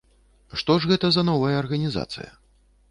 Што ж гэта за новая арганізацыя?